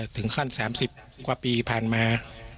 ถึงขั้น๓๐กว่าปีที่ผ่านมา